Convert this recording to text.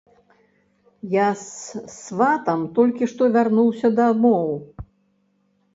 Я з сватам толькі што вярнуўся дамоў.